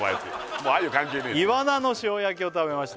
もうあゆ関係ねえ「イワナの塩焼きを食べました」